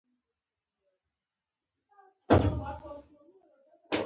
بلکې دا د متنوع نباتاتو او مارغانو لپاره پټنځای هم دی.